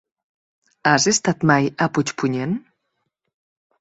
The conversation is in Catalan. Has estat mai a Puigpunyent?